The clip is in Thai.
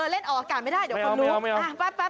เล่นออกอากาศไม่ได้เดี๋ยวคนรู้